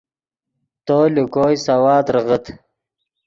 تو لے کوئی سوا دریغت